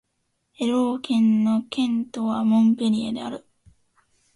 エロー県の県都はモンペリエである